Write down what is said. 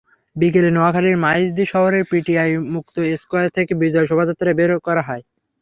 বিকেলে নোয়াখালীর মাইজদী শহরের পিটিআই মুক্ত স্কয়ার থেকে বিজয় শোভাযাত্রা বের করা হয়।